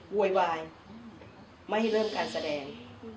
โวยวายไม่ให้เริ่มการแสดง